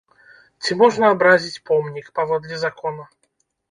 Ці можна абразіць помнік, паводле закона?